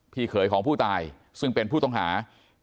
เขยของผู้ตายซึ่งเป็นผู้ต้องหา